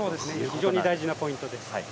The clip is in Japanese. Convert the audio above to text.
非常に大事なポイントです。